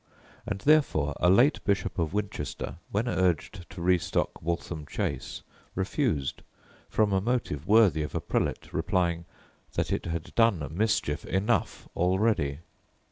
And, therefore, a late bishop of Winchester, when urged to re stock Waltham chase, refused, from a motive worthy of a prelate, replying that 'it had done mischief enough already.